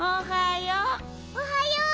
おはよう。